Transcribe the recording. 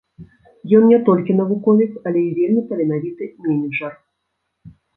Ён не толькі навуковец, але вельмі таленавіты менеджар.